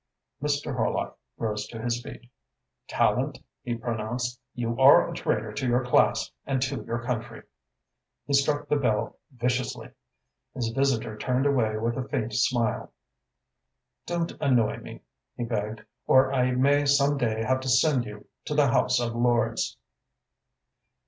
Mr. Horlock rose to his feet. "Tallente," he pronounced, "you are a traitor to your class and to your country." He struck the bell viciously. His visitor turned away with a faint smile. "Don't annoy me," he begged, "or I may some day have to send you to the House of Lords!"